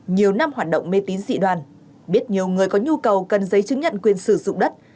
nhiều năm hoạt động mê tín dị đoàn biết nhiều người có nhu cầu cần giấy chứng nhận quyền sử dụng đất